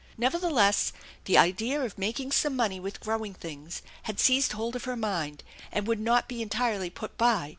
Nevertheless, the idea of making some money with growing things had seized hold of her mind and would not be entirely put by.